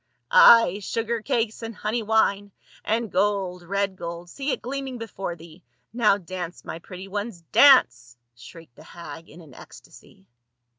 "Ay ! sugar cakes and honey wine — and gold, red gold, see it gleaming before thee ! Now dance my pretty ones, dance !" shrieked the hag in an ecstacy.